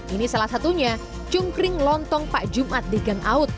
ini salah satunya cungkring lontong pak jumat di gangaut